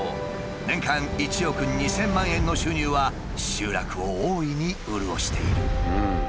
年間１億２，０００万円の収入は集落を大いに潤している。